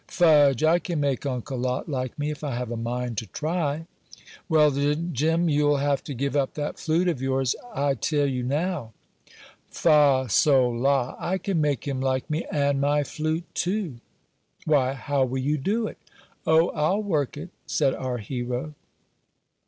"Fudge! I can make Uncle Lot like me if I have a mind to try." "Well then, Jim, you'll have to give up that flute of yours, I tell you now." "Fa, sol, la I can make him like me and my flute too." "Why, how will you do it?" "O, I'll work it," said our hero.